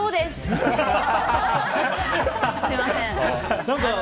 すみません。